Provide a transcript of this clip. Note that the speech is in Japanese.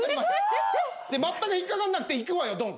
まったく引っ掛からなくていくわよドン！